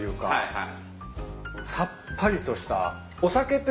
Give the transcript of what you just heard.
はい。